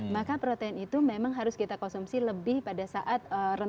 maka protein itu memang harus kita konsumsi lebih pada saat rentang